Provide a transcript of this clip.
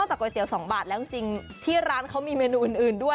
ก๋วยเตี๋ย๒บาทแล้วจริงที่ร้านเขามีเมนูอื่นด้วย